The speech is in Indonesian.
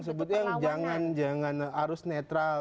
sebutnya jangan harus netral